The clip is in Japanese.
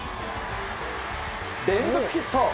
連続ヒット。